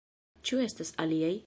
Ĉu estas aliaj?